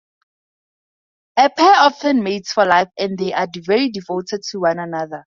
A pair often mates for life, and they are very devoted to one another.